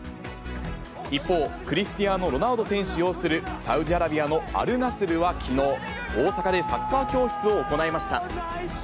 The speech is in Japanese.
一方、クリスティアーノ・ロナウド選手擁するサウジアラビアのアルナスルはきのう、大阪でサッカー教室を行いました。